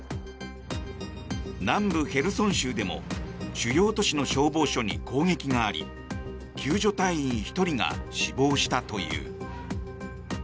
南部ヘルソン州でも主要都市の消防署に攻撃があり救助隊員１人が死亡したという。